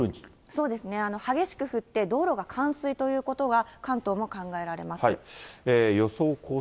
そうですね、激しく降って、道路が冠水ということが、関東も考えられます。